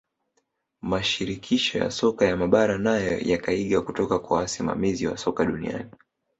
mashirikisho ya soka ya mabara nayo yakaiga kutoka kwa wasimamizi wa soka duniani